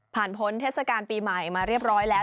พ้นเทศกาลปีใหม่มาเรียบร้อยแล้ว